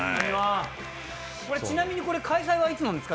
ちなみにこれ、開催はいつなんですか？